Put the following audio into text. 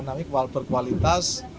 kemudian air air juga berkualitas